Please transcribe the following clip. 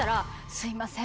すいません